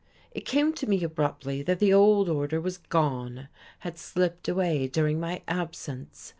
It came to me abruptly that the old order was gone, had slipped away during my absence.